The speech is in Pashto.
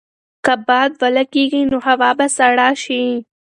که باد ولګېږي نو هوا به سړه شي.